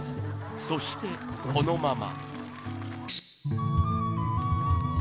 そしてこのまま。